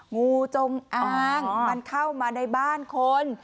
งูจงอางมันเข้ามาในบ้านคน